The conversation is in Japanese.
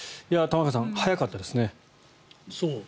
玉川さん早かったですね。